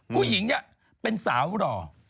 ผู้หญิงเนี่ยเป็นสาวหล่อ